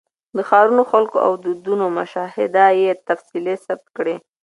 د ښارونو، خلکو او دودونو مشاهده یې تفصیلي ثبت کړې.